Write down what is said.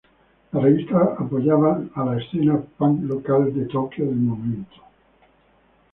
La revista apoyaba a la escena punk local de Tokio del momento.